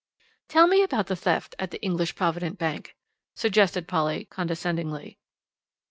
"Tell me about the theft at the English Provident Bank," suggested Polly condescendingly.